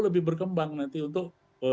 lebih berkembang nanti untuk